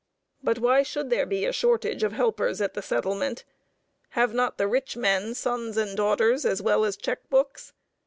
But why should there be a shortage of helpers at the settlement? Have not the rich men sons and daughters, as well as check books?